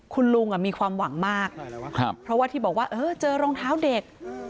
คุณลุงมีความหวังมากเพราะว่าที่บอกว่าเออเจอรองเท้าเด็ก